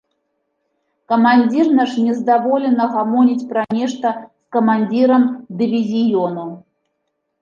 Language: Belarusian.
Камандзір наш нездаволена гамоніць пра нешта з камандзірам дывізіёну.